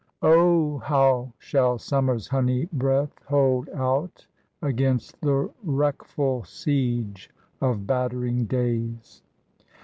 Oh! how shall summer's honey breath hold out Against the wreckful siege of battering days?